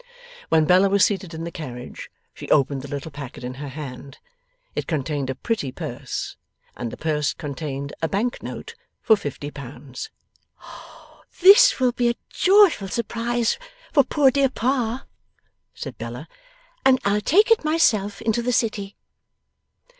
When Bella was seated in the carriage, she opened the little packet in her hand. It contained a pretty purse, and the purse contained a bank note for fifty pounds. 'This shall be a joyful surprise for poor dear Pa,' said Bella, 'and I'll take it myself into the City!